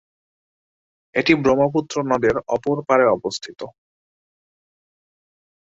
এটি ব্রহ্মপুত্র নদের অপর পাড়ে অবস্থিত।